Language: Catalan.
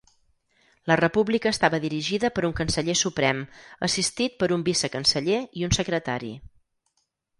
La república estava dirigida per un canceller suprem; assistit per un vicecanceller i un secretari.